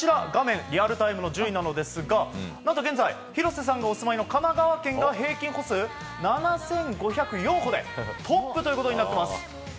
リアルタイムの順位ですが現在、廣瀬さんがお住まいの神奈川県が平均歩数７５０４歩でトップとなっています。